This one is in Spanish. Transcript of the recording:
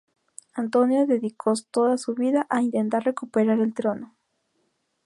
António dedicó toda su vida a intentar recuperar el trono.